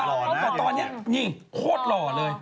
ไม่รู้แต่ตอนนี้นี่โคตรหล่อเลย